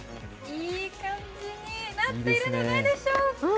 いい感じになっているんじゃないでしょうか。